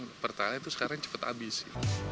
sekarang pertalite itu cepat habisi